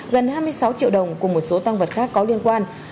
gần hai mươi sáu triệu đồng cùng một số tăng vật khác có liên quan